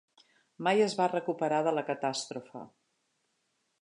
Mai es va recuperar de la catàstrofe.